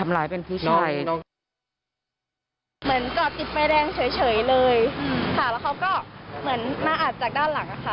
เหมือนจอดติดไฟแดงเฉยเลยค่ะแล้วเขาก็เหมือนมาอัดจากด้านหลังอะค่ะ